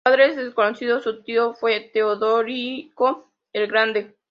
Su padre es desconocido, su tío fue Teodorico el Grande.